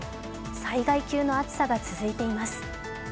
災害級の暑さが続いています。